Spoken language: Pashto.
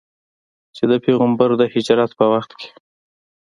چې د پیغمبر د هجرت په وخت کې.